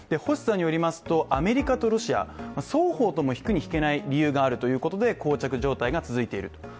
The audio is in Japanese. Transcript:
星さんによりますと、アメリカとロシア、双方とも引くに引けない状態にあるということでこう着状態が続いていると。